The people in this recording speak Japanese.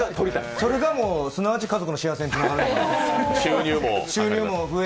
それがすなわち家族の幸せにつながるかなと、収入も増え。